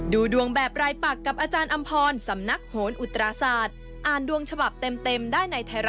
ดูดวงแบบรายปากกับอาจารย์อำพรสำนักโหนอุตราศาสตร์